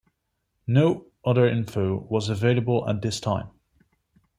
No other info was available at this time.